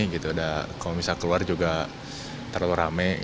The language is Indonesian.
kalau misalnya keluar juga terlalu rame